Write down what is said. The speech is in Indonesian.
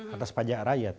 atas pajak rakyat